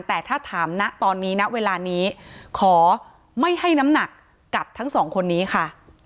แต่ถ้าถามนะตอนนี้ณเวลานี้ขอไม่ให้น้ำหนักกับทั้งสองคนนี้ค่ะ